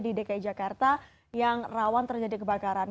di dki jakarta yang rawan terjadi kebakaran